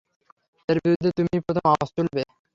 এর বিরুদ্ধে তুমিই প্রথম আওয়াজ তুলবে!